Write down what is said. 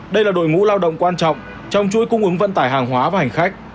đây là một lực lượng quan trọng trong chuỗi cung ứng vận tải hàng hóa và hành khách